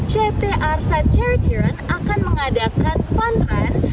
ctr side charity run akan mengadakan fun run